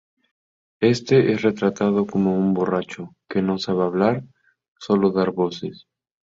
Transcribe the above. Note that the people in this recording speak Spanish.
Este es retratado como un borracho, que no sabe hablar, solo dar voces.